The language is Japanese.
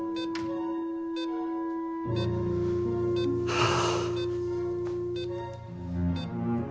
はあ。